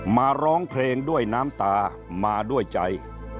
มาร้องเพลงด้วยน้ำตามาด้วยใจ